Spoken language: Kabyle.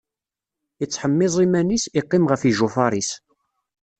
Ittḥemmiẓ iman-is, iqqim ɣef ijufaṛ-is.